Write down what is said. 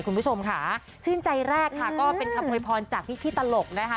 คุณผู้ชมค่ะชื่นใจแรกค่ะก็เป็นคำโวยพรจากพี่ตลกนะคะ